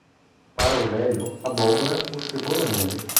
Para o velho, abóbora ou cebola nele.